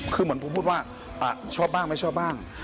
คือเหมือนผมพูดว่าชอบบ้างไม่ชอบบ้าง